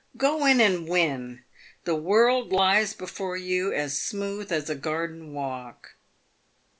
Go in and win. The world lies before you as smooth as a garden walk."